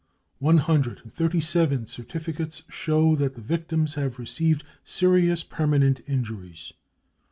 One hundred and thirty seven certificates show that the victims have received serious permanent injuries.